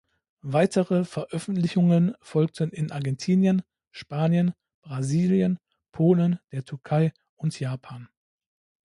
Weitere Veröffentlichungen folgten in Argentinien, Spanien, Brasilien, Polen, der Türkei und Japan.